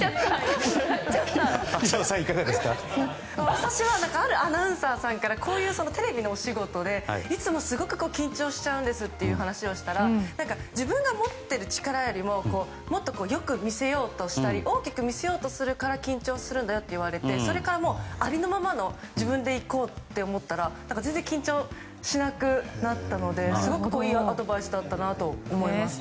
私はあるアナウンサーさんからこういうテレビのお仕事でいつも緊張しちゃうんですと言ったら自分が持っている力よりももっとよく見せようとしたり大きく見せようとするから緊張するんだよって言われてそれから、ありのままの自分でいこうと思ったら全然、緊張しなくなったのですごくいいアドバイスだったなと思います。